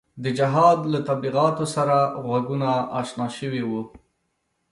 د جهاد له تبلیغاتو سره غوږونه اشنا شوي وو.